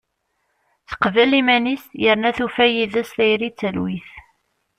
Teqbel iman-is, yerna tufa yid-s tayri d talwit.